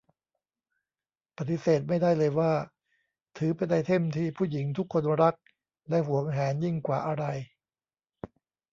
ปฏิเสธไม่ได้เลยว่า ถือเป็นไอเทมที่ผู้หญิงทุกคนรักและหวงแหนยิ่งกว่าอะไร